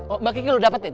oh mbak kiki lu dapetin